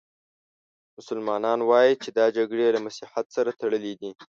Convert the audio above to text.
مسلمانان وايي چې دا جګړې له مسیحیت سره تړلې دي.